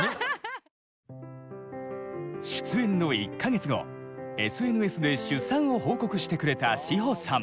出演の１か月後ＳＮＳで出産を報告してくれた志帆さん。